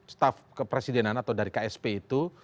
staff presidenan atau dari ksp itu